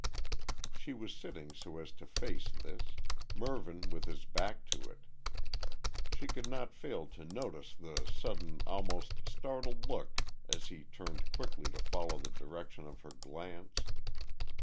She was sitting so as to face this. Mervyn with his back to it. She could not fail to notice the sudden, almost startled look as he turned quickly to follow the direction of her glance.